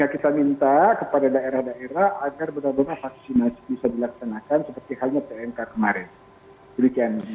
kita minta kepada daerah daerah agar benar benar vaksinasi bisa dilaksanakan seperti halnya pmk kemarin